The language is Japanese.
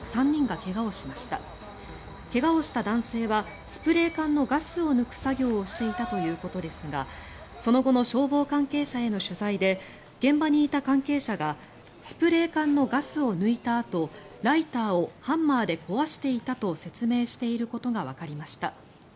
怪我をした男性はスプレー缶のガスを抜く作業をしていたということですがその後の消防関係者への取材で現場にいた関係者がスプレー缶のガスを抜いたあとライターをハンマーで壊していたと説明していることがわかりました。